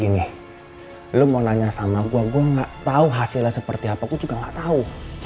ini lo mau nanya sama gua gua gak tahu hasilnya seperti apa gue juga gak tahu